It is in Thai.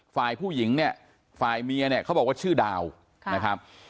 ฝ่ายผู้หญิงเนี่ยฝ่ายเมียเนี่ยเขาบอกว่าชื่อดาวนะครับ